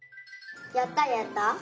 やったやった？